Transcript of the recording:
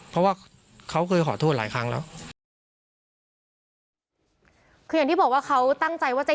เพราะว่าเขาเคยขอโทษหลายครั้งแล้วคืออย่างที่บอกว่าเขาตั้งใจว่าจะ